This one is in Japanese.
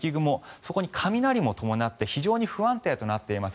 そこに雷も伴って非常に不安定となっています。